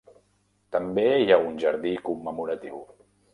També hi ha un jardí commemoratiu.